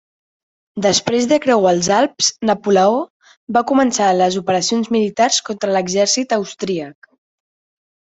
Després de creuar els Alps, Napoleó va començar les operacions militars contra l'exèrcit austríac.